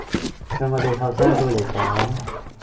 對我哋後生一輩嚟講